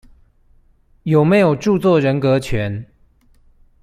有沒有著作人格權？